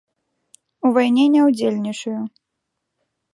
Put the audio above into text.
У вайне не ўдзельнічаю.